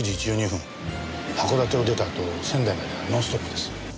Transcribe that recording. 函館を出たあと仙台まではノンストップです。